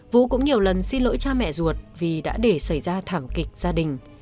vũ cũng nhiều lần xin lỗi cha mẹ ruột vì đã để xảy ra thảm kịch gia đình